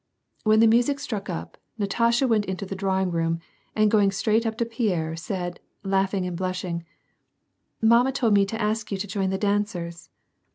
When the music struck up, Natasha went into the drawing room, and going straight up to Pierre, said, laughing and blushing, —" Mamma told me to ask you to join the dancers."